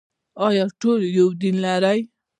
آیا ټول یو دین لري؟